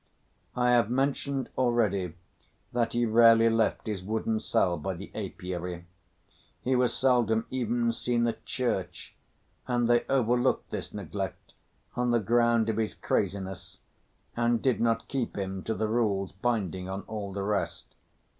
I have mentioned already that he rarely left his wooden cell by the apiary. He was seldom even seen at church and they overlooked this neglect on the ground of his craziness, and did not keep him to the rules binding on all the rest.